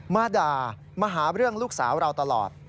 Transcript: มาด่ามาหาเรื่องลูกสาวเราตลอด